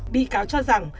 bị cáo cho rằng